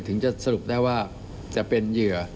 ถึงจะสรุปได้ว่าจะเป็นเหยื่อ